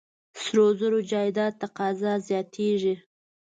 سرو زرو جایداد تقاضا زیاتېږي.